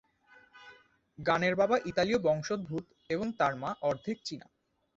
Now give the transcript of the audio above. গানের বাবা ইতালীয় বংশোদ্ভূত এবং তার মা অর্ধেক চীনা।